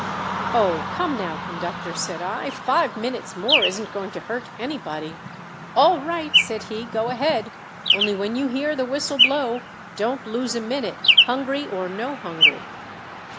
"Oh, come now, Conductor!" said I. "Five minutes more isn't going to hurt anybody " "All right," said he, "go ahead. Only when you hear the whistle blow don't lose a minute, hungry or no hungry."